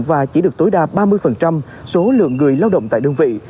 và chỉ được tối đa ba mươi số lượng người lao động tại đơn vị